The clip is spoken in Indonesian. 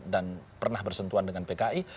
dan pernah bersentuhan dengan pki